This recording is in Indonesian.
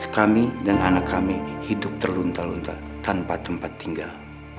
kami dan anak kami hidup terlunta lunta tanpa tempat tinggal